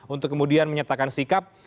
untuk kemudian menyatakan sikap